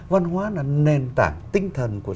văn hóa là nền tảng tinh thần của